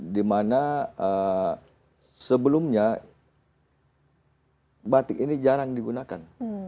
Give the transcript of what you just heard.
di mana sebelumnya batik ini jarang digunakan